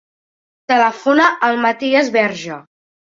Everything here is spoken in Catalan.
Telefona al Matías Verge.